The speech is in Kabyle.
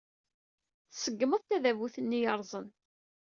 Tṣeggmed tadabut-nni yerrẓen.